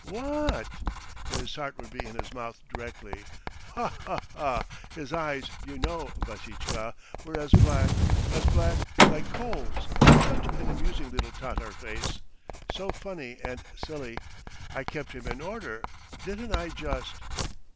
Wha a a t?' And his heart would be in his mouth directly. ... Ha ha ha! His eyes, you know, Vassitchka, were as black, as black, like coals, such an amusing little Tatar face, so funny and silly! I kept him in order, didn't I just!"